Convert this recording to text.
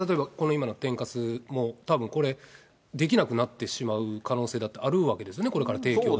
でもそれをこの一瞬で、じゃあ例えば、今のこの天かすもたぶんこれ、できなくなってしまう可能性だってあるわけですよね、これから提供が。